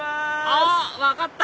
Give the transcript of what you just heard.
あっ分かった！